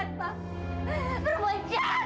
berbuat jahat dia berbuat jahat